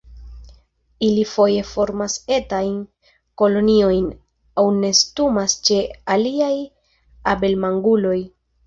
Ili foje formas etajn koloniojn, aŭ nestumas ĉe aliaj abelmanĝuloj.